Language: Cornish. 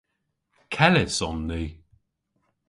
Kellys on ni.